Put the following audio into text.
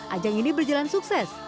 ajang ini berjalan sukses